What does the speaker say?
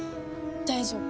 大丈夫。